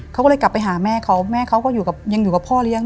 เขาก็เลยกลับไปหาแม่เขาแม่เขาก็ยังอยู่กับพ่อเลี้ยง